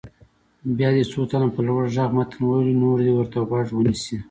بیا دې څو تنه په لوړ غږ متن ولولي نور دې ورته غوږ ونیسي.